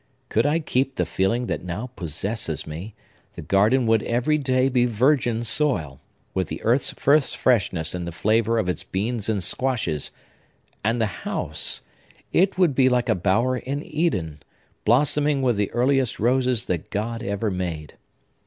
Could I keep the feeling that now possesses me, the garden would every day be virgin soil, with the earth's first freshness in the flavor of its beans and squashes; and the house!—it would be like a bower in Eden, blossoming with the earliest roses that God ever made.